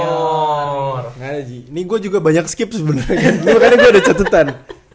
nggak ada sih ini gue juga banyak skip sebenernya kan makanya gue ada catetan